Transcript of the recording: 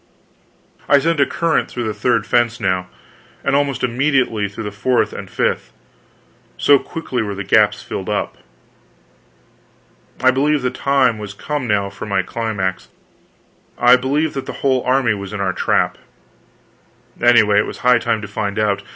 I sent a current through the third fence now; and almost immediately through the fourth and fifth, so quickly were the gaps filled up. I believed the time was come now for my climax; I believed that that whole army was in our trap. Anyway, it was high time to find out.